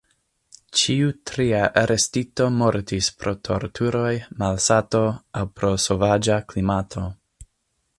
Ĉiu tria arestito mortis pro torturoj, malsato aŭ pro sovaĝa klimato.